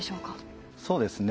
そうですね。